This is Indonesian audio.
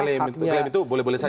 klaim itu boleh boleh saja